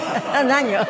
何を？